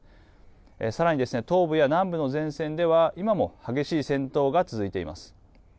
さらに東部や南部の前線では今も激しい戦闘が続いています。